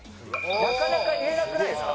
なかなか言えなくないですか？